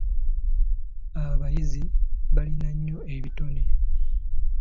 Abayizi balina nnyo ebitone.